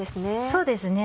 そうですね。